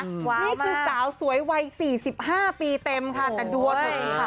นี่คือสาวสวยวัย๔๕ปีเต็มค่ะแต่ดูเอาเธอดีค่ะ